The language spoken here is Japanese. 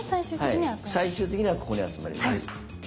最終的にはここに集まります。